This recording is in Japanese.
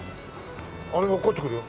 あれが落っこちてくるよ。